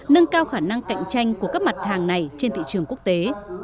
nâng cao khả năng cạnh tranh của các mặt hàng này trên thị trường quốc tế